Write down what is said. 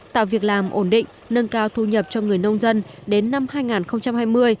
tạo việc làm ổn định nâng cao thu nhập cho người nông dân đến năm hai nghìn hai mươi